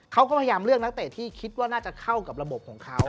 เขาก็พยายามเลือกนักเตะที่คิดว่าน่าจะเข้ากับระบบของเขา